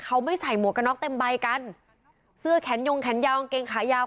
เขาไม่ใส่หมวกกระน็อกเต็มใบกันเสื้อแขนยงแขนยาวกางเกงขายาว